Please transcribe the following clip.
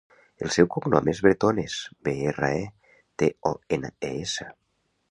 El seu cognom és Bretones: be, erra, e, te, o, ena, e, essa.